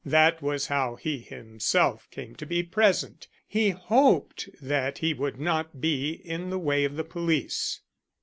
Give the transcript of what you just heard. That was how he himself came to be present. He hoped that he would not be in the way of the police.